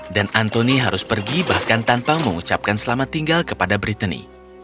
dan anthony harus pergi bahkan tanpa mengucapkan selamat tinggal kepada brittany